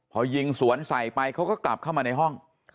พอยิงสวนใส่ไปเขาก็กลับเข้ามาในห้อง